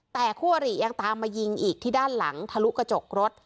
แต่คู่อริยังตามมายิงอีกที่ด้านหลังทะลุกระจกรถ